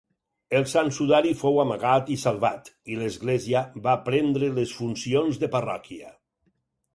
El sant sudari fou amagat i salvat, i l'església va prendre les funcions de parròquia.